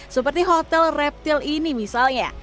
seperti hotel reptil ini misalnya